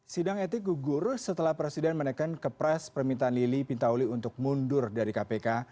sidang etik gugur setelah presiden menekan ke pres permintaan lili pintauli untuk mundur dari kpk